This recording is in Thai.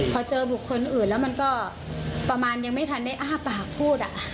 พอเจอบุคคลอื่นแล้วมันก็ประมาณยังไม่ทันได้อ้าปากพูด